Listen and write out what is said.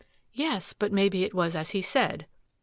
"Yes, but maybe it was as he said."